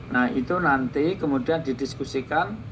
nah itu nanti kemudian didiskusikan